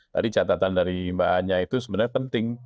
tadi catatan dari mbak anya itu sebenarnya penting